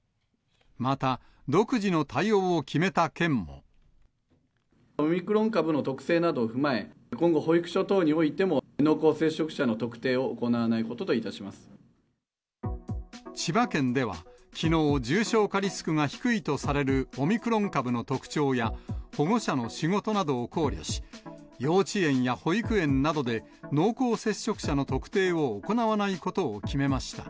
また、オミクロン株の特性などを踏まえ、今後、保育所等においても、濃厚接触者の特定を行わないこと千葉県ではきのう、重症化リスクが低いとされるオミクロン株の特徴や、保護者の仕事などを考慮し、幼稚園や保育園などで濃厚接触者の特定を行わないことを決めました。